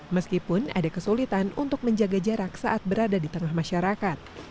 meskipun ada kesulitan untuk menjaga jarak saat berada di tengah masyarakat